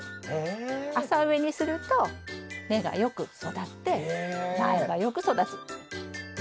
浅植えにすると根がよく育って苗がよく育つ。